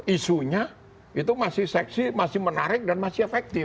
isunya itu masih seksi masih menarik dan masih efektif